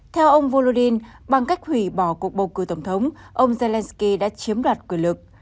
theo ông volodymyr zelensky bằng cách hủy bỏ cuộc bầu cử tổng thống ông zelensky đã chiếm đoạt quyền lực